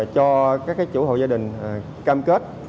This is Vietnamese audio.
cho các chủ hộ gia đình cam kết